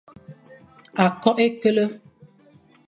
Akok h e kele,